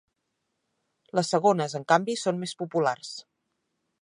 Les segones, en canvi, són més populars.